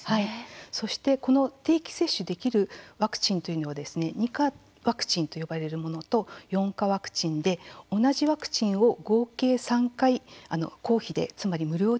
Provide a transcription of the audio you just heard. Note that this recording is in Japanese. そして、この定期接種できるワクチンというのは２価ワクチンと呼ばれるものと４価ワクチンで同じワクチンを合計３回、公費でつまり無料で接種できるんです。